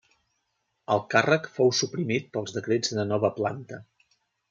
El càrrec fou suprimit pels decrets de Nova Planta.